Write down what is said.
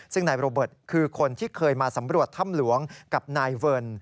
ซึ่งนายโรเบิร์ตคือคนที่เคยมาสำรวจถ้ำหลวงกับนายเวิร์น